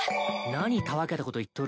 何たわけたこと言っとる。